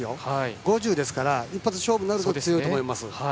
５０ですから、一発勝負になると強いと思います。